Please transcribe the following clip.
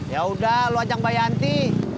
ya udah lo ajak mbak yanti